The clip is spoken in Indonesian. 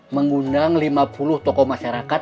mengundang lima puluh tokoh masyarakat